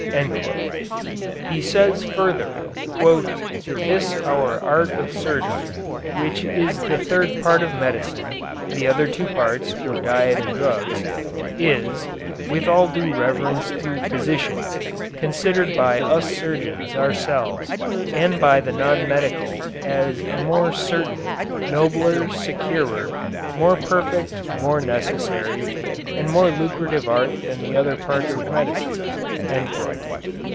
He says further: "This our art of surgery, which is the third part of medicine (the other two parts were diet and drugs), is, with all due reverence to physicians, considered by us surgeons ourselves and by the non medical as a more certain, nobler, securer, more perfect, more necessary, and more lucrative art than the other parts of medicine."